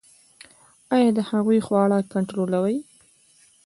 ایا د هغوی خواړه کنټرولوئ؟